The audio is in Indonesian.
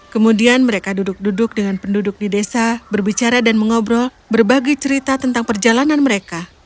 kemudian mereka duduk duduk dengan penduduk di desa berbicara dan mengobrol berbagi cerita tentang perjalanan mereka